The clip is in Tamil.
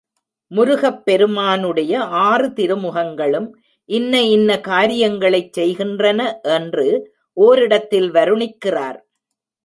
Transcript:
முருகப் பெருமானுடைய ஆறு திருமுகங்களும் இன்ன இன்ன காரியங்களைச் செய்கின்றன என்று ஒரிடத்தில் வருணிக்கிறார்.